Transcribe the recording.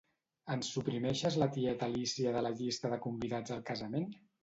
Ens suprimeixes la tieta Alícia de la llista de convidats al casament?